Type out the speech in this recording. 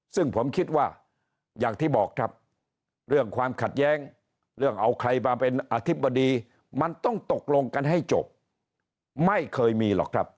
ซึ่งผมคิดว่าอย่างที่บอกครับเรื่องความขัดแย้งเรื่องเอาใครมาเป็นอธิบดีมันต้องตกลงกันให้จบไม่เคยมีหรอกครับ